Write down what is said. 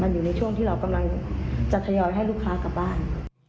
อยู่ในช่วงที่เรากำลังจะทยอยให้ลูกค้ากลับบ้าน